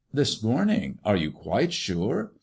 "This morning? Are you quite sure